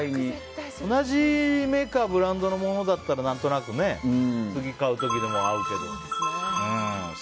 同じメーカーブランドのものだったら何となく次買う時でも合うけど。